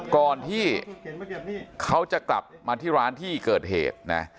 ก่อนที่เขาจะกลับมาที่ร้านที่เกิดเหตุนะ